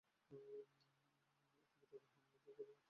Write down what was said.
তবে তাদের হামলায় যেসব ক্ষতি হয়েছে, সেসব বিষয়ে সরকার অবগত আছে।